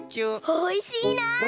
おいしいな！